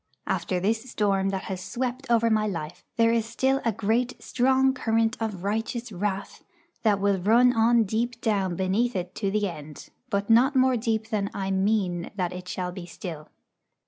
After this storm that has swept over my life, there is a great strong current of righteous wrath that will run on deep down beneath it to the end, but not more deep than I mean that it shall be still.